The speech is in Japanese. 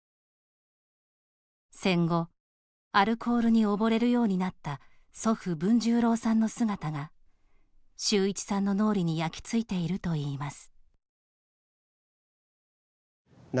戦後、アルコールに溺れるようになった祖父・文十郎さんの姿が秀一さんの脳裏に焼き付いているといいます。